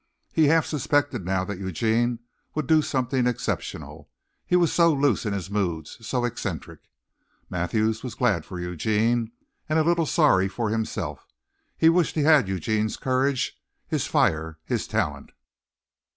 He half suspected now that Eugene would do something exceptional he was so loose in his moods so eccentric. Mathews was glad for Eugene and a little sorry for himself. He wished he had Eugene's courage, his fire, his talent.